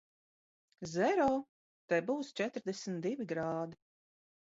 Zero! Te būs četrdesmit divi grādi.